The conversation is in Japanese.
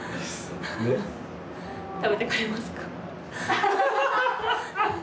食べていかれますか？